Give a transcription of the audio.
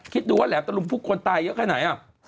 คิดดูว่าแหลมตะลุมพุกคนตายเยอะแค่ไหน